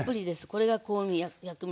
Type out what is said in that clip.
これが香味薬味